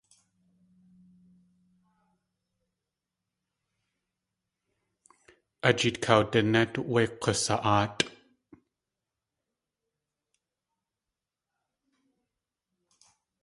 A jeet kawdinét wé k̲usa.áatʼ.